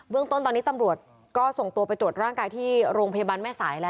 เรื่องต้นตอนนี้ตำรวจก็ส่งตัวไปตรวจร่างกายที่โรงพยาบาลแม่สายแล้ว